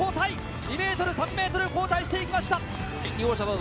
２ｍ、３ｍ、後退していきました。